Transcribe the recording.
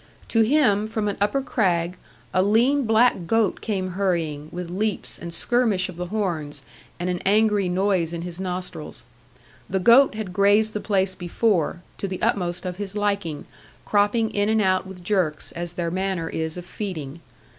To him, from an upper crag, a lean black goat came hurrying, with leaps, and skirmish of the horns, and an angry noise in his nostrils. The goat had grazed the place before, to the utmost of his liking, cropping in and out with jerks, as their manner is of feeding.